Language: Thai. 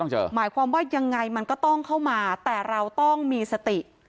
หมายความว่ายังไงมันก็ต้องเข้ามาแต่เราต้องมีสติ